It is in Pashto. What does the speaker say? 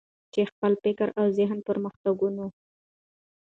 چې خپل فکري او ذهني پرمختګونه.